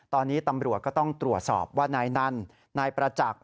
ตอนนี้ตำรวจก็ต้องตรวจสอบว่านายนั่นนายประจักษ์